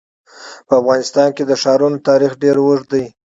په افغانستان کې د ښارونو تاریخ ډېر اوږد دی.